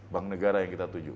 bank negara yang kita tuju